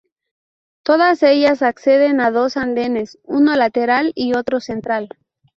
Todas ellas acceden a dos andenes, uno lateral y otro central.